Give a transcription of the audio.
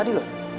ya dari tadi loh